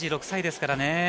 ３６歳ですからね。